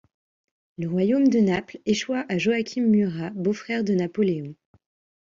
Le royaume de Naples échoit à Joachim Murat, beau-frère de Napoléon.